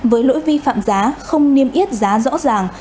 với lỗi vi phạm giá không niêm yết giá rõ ràng